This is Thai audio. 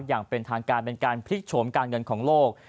อย่างเป็นทางการเป็นการพลิกโฉมการเงินของโลก